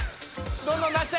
どんどん出して！